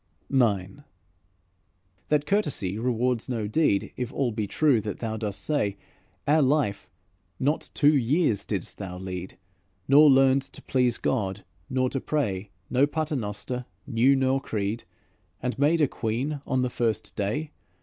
IX "That courtesy rewards no deed If all be true that thou dost say; Our life not two years didst thou lead Nor learned to please God, nor to pray, No Paternoster knew nor creed, And made a queen on the first day!